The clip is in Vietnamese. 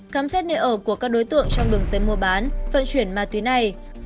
khám xét nơi ở của các đối tượng trong đường dây mua bán vận chuyển ma túy này